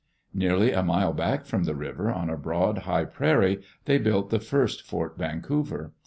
Nearly a mile back from the river, on a broad, high prairie, they built the first Fort Vancouver.